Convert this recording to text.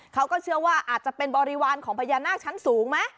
เขาก็เชื่อว่าอาจจะเป็นบริวารของพญานาคชั้นสูงไหม